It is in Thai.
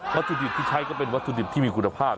ถุดิบที่ใช้ก็เป็นวัตถุดิบที่มีคุณภาพ